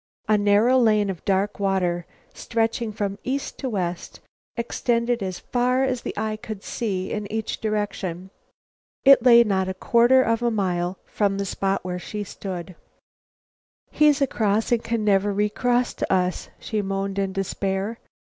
A narrow lane of dark water, stretching from east to west, extended as far as eye could see in each direction. It lay not a quarter of a mile from the spot where she stood. "He's across and can never recross to us," she moaned in despair.